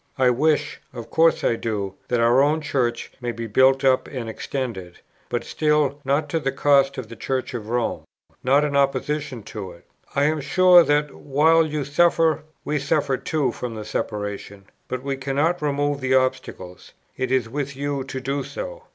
I wish, of course I do, that our own Church may be built up and extended, but still, not at the cost of the Church of Rome, not in opposition to it. I am sure, that, while you suffer, we suffer too from the separation; but we cannot remove the obstacles; it is with you to do so.